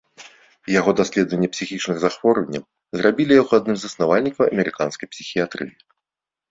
Яго даследаванне псіхічных захворванняў зрабілі яго адным з заснавальнікаў амерыканскай псіхіятрыі.